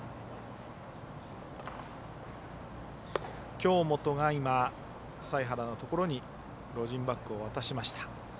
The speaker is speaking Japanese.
京本が、財原のところにロジンバッグを渡しました。